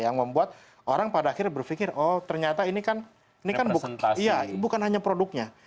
yang membuat orang pada akhirnya berpikir oh ternyata ini kan bukan hanya produknya